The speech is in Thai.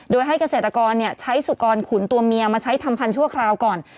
โดยให้เกษตรกรใช้สุกรขุนตัวเมียมาใช้ทำพันธั่วคราวก่อน